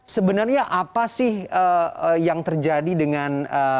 sebenarnya apa sih yang terjadi dengan